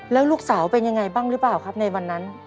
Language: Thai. แล้วลูกสาวเป็นยังไงบ้างหรือเปล่าครับในวันนั้น